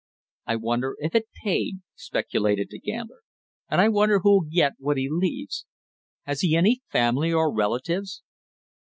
"I wonder if it paid!" speculated the gambler. "And I wonder who'll get what he leaves. Has he any family or relatives?"